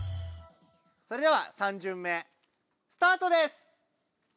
それでは３じゅん目スタートです！